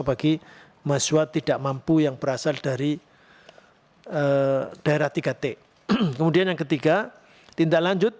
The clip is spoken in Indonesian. bagi mahasiswa tidak mampu yang berasal dari daerah tiga t kemudian yang ketiga tindak lanjut